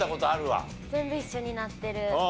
全部一緒になってる。